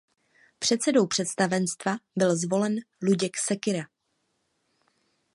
Předsedou představenstva byl zvolen Luděk Sekyra.